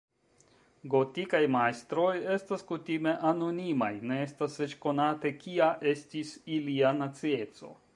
Gotikaj majstroj estas kutime anonimaj, ne estas eĉ konate, kia estis ilia nacieco.